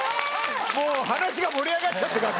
もう話が盛り上がっちゃって楽屋の。